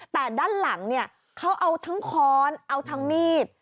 แต่ด้านหลังเนี่ยเขาเอาทั้งค้อนเอาทั้งมีด